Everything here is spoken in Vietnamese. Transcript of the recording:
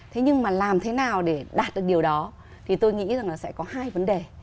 thế nhưng mà làm thế nào để đạt được điều đó thì tôi nghĩ rằng là sẽ có hai vấn đề